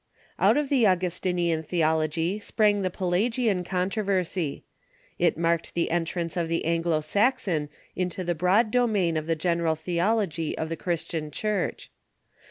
Out of the Augustinian theology sprang the Pelagian con troversy. It marked the entrance of the Anglo Saxon into the broad domain of the general theology of the Pelagianism ^,,.,.^,, t~. ,. i ^^ t ... Christian Church.